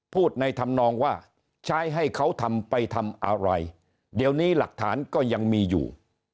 พูดในธรรมนองว่าใช้ให้เขาทำไปทำอะไรเดี๋ยวนี้หลักฐานก็ยังมีอยู่